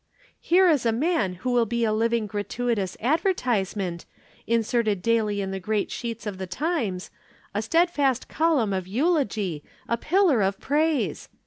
Here is a man who will be a living gratuitous advertisement, inserted daily in the great sheets of the times, a steadfast column of eulogy, a pillar of praise.